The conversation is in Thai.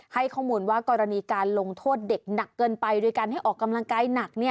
ให้ข้อมูลว่ากรณีการลงโทษเด็กหนักเกินไปโดยการให้ออกกำลังกายหนัก